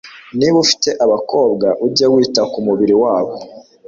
niba ufite abakobwa, ujye wita ku mubiri wabo